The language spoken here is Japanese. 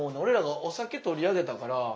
俺らがお酒取り上げたから。